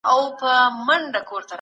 سیاستوال ولي په ټولنه کي عدالت غواړي؟